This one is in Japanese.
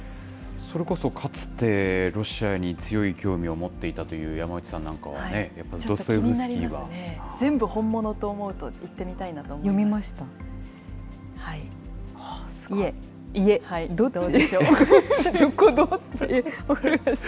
それこそ、かつてロシアに強い興味を持っていたという山内さんなんかはね、全部本物と思うと、行ってみ読みました？